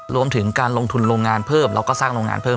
รวมถึงการลงทุนโรงงานเพิ่มแล้วก็สร้างโรงงานเพิ่ม